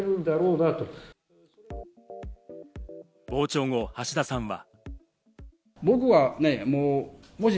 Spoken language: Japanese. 傍聴後、橋田さんは。